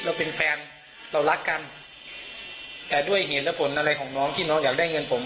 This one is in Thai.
เราเป็นแฟนเรารักกันแต่ด้วยเหตุและผลอะไรของน้องที่น้องอยากได้เงินผม